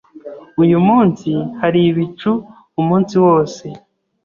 Uyu munsi, hari ibicu umunsi wose.